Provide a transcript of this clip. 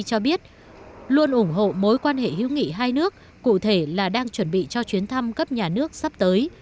cho biết luôn ủng hộ mối quan hệ hữu nghị hai nước cụ thể là đang chuẩn bị cho chuyến thăm cấp nhà nước sắp tới